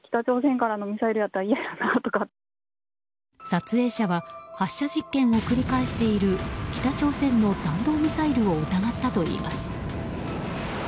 撮影者は発射実験を繰り返している北朝鮮の弾道ミサイルを疑ったといいます。